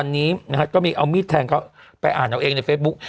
น้ำน้ำน้ำ